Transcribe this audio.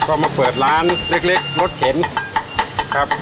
ก็มาเปิดร้านเล็กรถเข็นครับ